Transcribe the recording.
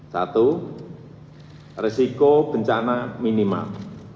satu resiko bencana minimal